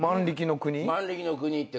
『万力の国』って。